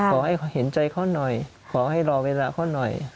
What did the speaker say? ขอให้เขาเห็นใจเขาหน่อยขอให้รอเวลาเขาหน่อย